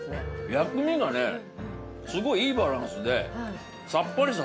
薬味がすごいいいバランスでさっぱりさせてくれる。